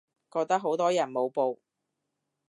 覺得好多人冇報